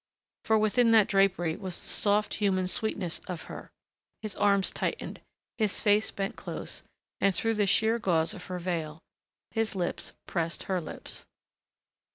For within that drapery was the soft, human sweetness of her; his arms tightened, his face bent close, and through the sheer gauze of her veil his lips pressed her lips....